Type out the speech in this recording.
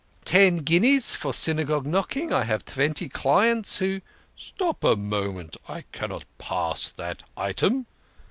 "Ten guineas for Synagogue knocking. I have tventy clients who "" Stop a minute ! I cannot pass that item."